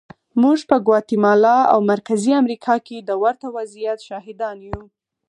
موږ په ګواتیمالا او مرکزي امریکا کې د ورته وضعیت شاهدان یو.